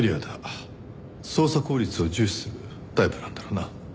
捜査効率を重視するタイプなんだろうな。